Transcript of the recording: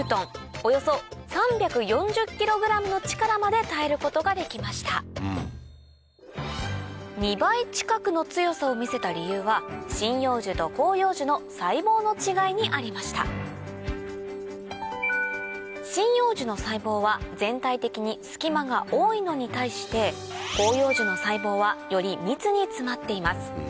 およそ３４０ｋｇの力まで耐えることができました２倍近くの強さを見せた理由は針葉樹と広葉樹の細胞の違いにありました針葉樹の細胞は全体的に隙間が多いのに対して広葉樹の細胞はより密に詰まっています